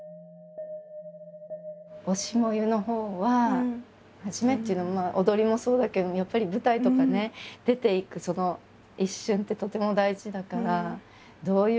「推し、燃ゆ」のほうは初めっていうのは踊りもそうだけどやっぱり舞台とかね出ていくその一瞬ってとても大事だからどういう。